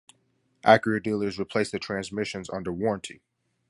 Acura dealers replace the transmissions under warranty.